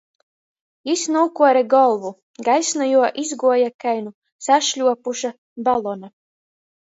Jis nūkuore golvu, gaiss nu juo izguoja kai nu sašļuopuša balona.